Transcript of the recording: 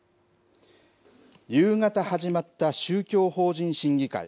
夕方始まった宗教法人審議会。